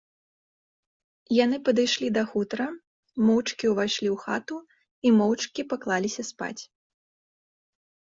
Яны падышлі да хутара, моўчкі ўвайшлі ў хату і моўчкі паклаліся спаць.